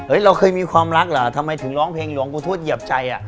เราเคยมีความรักเหรอทำไมถึงร้องเพลงหลวงปู่ทวชเหยียบใจ